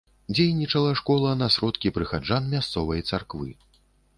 Дзейнічала школа на сродкі прыхаджан мясцовай царквы.